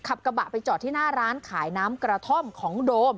ขับกระบะไปจอดที่หน้าร้านขายน้ำกระท่อมของโดม